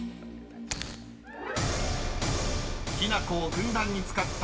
［きな粉をふんだんに使った］